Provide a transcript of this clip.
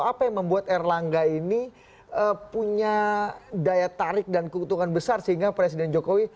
apa yang membuat erlangga ini punya daya tarik dan keuntungan besar sehingga presiden jokowi